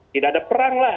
tidak ada perang lah